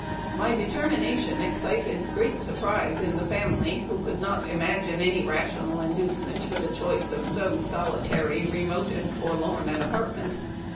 " My determination excited great surprise in the family,* who could not imagine any rational inducement for the choice of so solitary, remote, and forlorn an apartment.